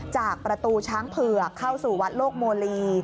จากประตูช้างเผือกเข้าสู่วัดโลกโมลี